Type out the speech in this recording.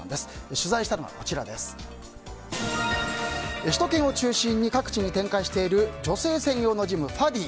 取材したのは首都圏を中心に各地で展開している女性専用のジム、ファディー。